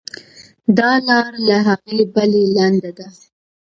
دا لار له هغې بلې لنډه ده.